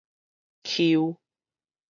鳩